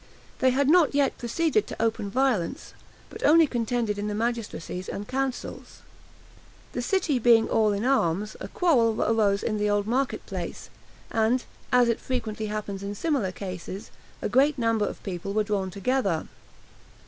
They had not yet proceeded to open violence, but only contended in the magistracies and councils. The city being all in arms, a quarrel arose in the Old Market place, and, as it frequently happens in similar cases, a great number of people were drawn together.